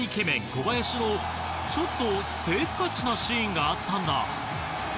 小林のちょっとせっかちなシーンがあったんだ。